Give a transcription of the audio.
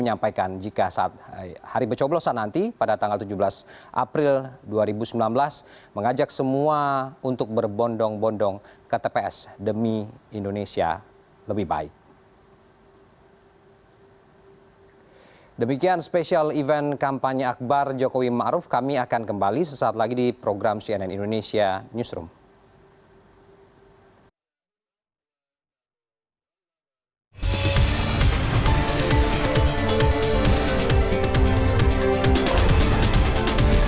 assalamualaikum warahmatullahi wabarakatuh